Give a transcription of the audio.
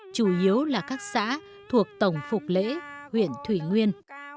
chủ yếu là các xã thuộc tổng phục lễ huyện thủy nguyên